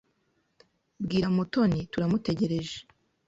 Bwira Mutoni turamutegereje.